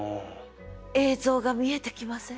映像が見えてきません？